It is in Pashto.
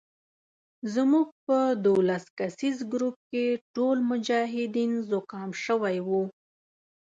زموږ په دولس کسیز ګروپ کې ټول مجاهدین زکام شوي وو.